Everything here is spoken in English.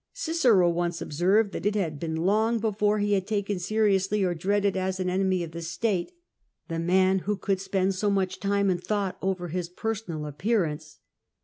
Cicero once observed that it had been long before he had taken seriously, or dreaded as an enemy of the state, the man who could spend so much time and thought over his personal a.ppearance.